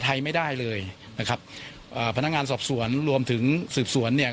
ไทยไม่ได้เลยนะครับอ่าพนักงานสอบสวนรวมถึงสืบสวนเนี่ย